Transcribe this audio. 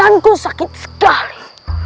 badanku sakit sekali